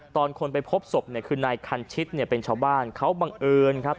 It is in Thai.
ตอนคนไปพบศพเนี่ยคือนายคันชิตเนี่ยเป็นชาวบ้านเขาบังเอิญครับ